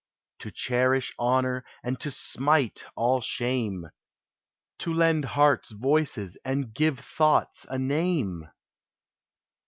To cherish honor, and to smite all shame, To lend hearts voices, and give thoughts a name!